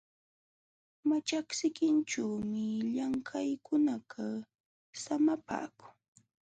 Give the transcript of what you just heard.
Maćhay sikinćhuumi llamkaqkunakaq samapaakun.